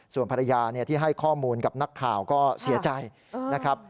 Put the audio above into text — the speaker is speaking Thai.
ส่วนภรรยาที่ให้ข้อมูลกับนักข่าวก็เสียใจนะครับ